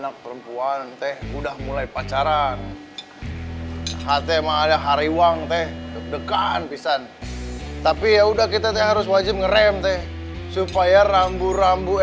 kamu bisa kesini sebentar gak